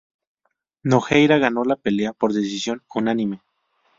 Nogueira ganó la pelea por decisión unánime.